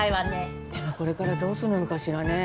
でもこれからどうするのかしらね？